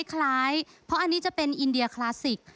คล้ายเพราะอันนี้จะเป็นอินเดียคลาสสิก